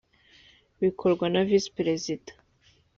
bikorwa na visi perezida